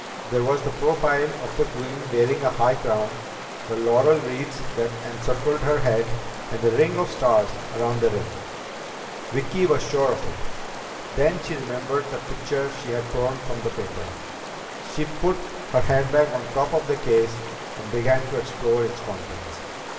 There was the profile of the queen wearing a high crown, the laurel wreaths that encircled the head, and the ring of stars around the rim. Vicki was sure of it! Then she remembered the picture she had torn from the paper. She put her handbag on the top of the case and began to explore its contents.